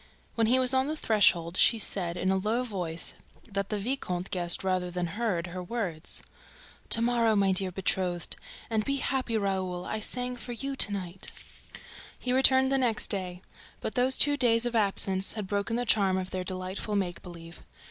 When he was on the threshold, she said, in so low a voice that the viscount guessed rather than heard her words: "To morrow, my dear betrothed! And be happy, Raoul: I sang for you to night!" He returned the next day. But those two days of absence had broken the charm of their delightful make believe.